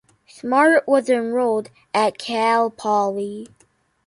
Smart was enrolled at Cal Poly.